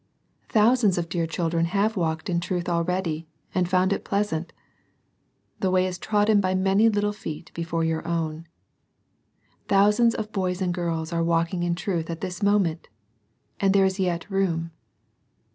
Thousands of dear children have walked in truth already, and found it pleasant. The way is trodden by many little feet before your own. Thousands of boys and girls are walking in truth at this moment, and there is yet room.